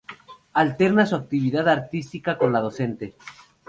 Alterna su actividad artística con la docente.